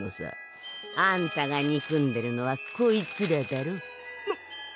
あんたがにくんでるのはこいつらだろう？うっ！